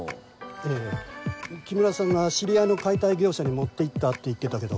ええ木村さんが知り合いの解体業者に持って行ったって言ってたけど。